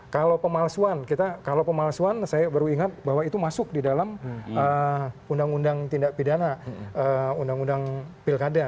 kalau pemalsuan kita kalau pemalsuan saya baru ingat bahwa itu masuk di dalam undang undang tindak pidana undang undang pilkada